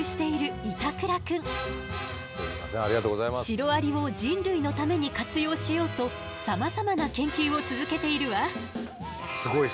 シロアリを人類のために活用しようとさまざまな研究を続けているわ。